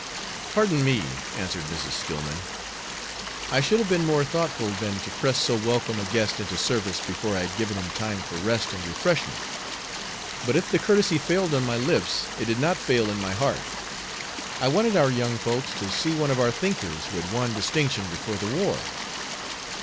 "Pardon me," answered Mrs. Stillman. "I should have been more thoughtful than to press so welcome a guest into service before I had given him time for rest and refreshment; but if the courtesy failed on my lips it did not fail in my heart. I wanted our young folks to see one of our thinkers who had won distinction before the war."